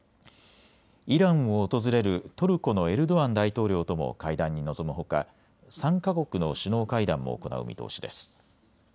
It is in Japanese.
イランを訪れるトルコのエルドアン大統領とも会談に臨むほか３か国の首脳会談も行う見通しです。